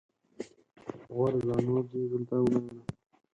غورځه! نور دې دلته و نه وينم.